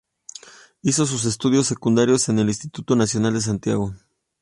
Hizo sus estudios secundarios en el Instituto Nacional de Santiago.